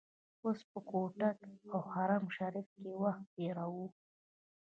اوس په کوټه او حرم شریف کې وخت تیروو.